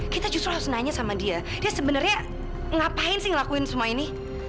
kita justru harus nanya sama dia dia sebenarnya ngapain sih ngelakuin semua ini